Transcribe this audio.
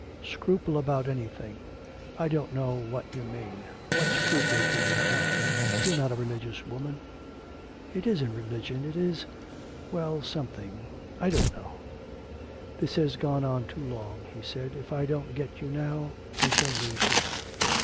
'Scruple about anything! I don't know what you mean.... What scruple can you have? you're not a religious woman.' 'It isn't religion, it is well, something.... I don't know.' 'This has gone on too long,' he said, 'if I don't get you now I shall lose you.'